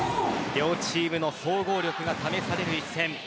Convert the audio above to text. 両チームの総合力が試される一戦。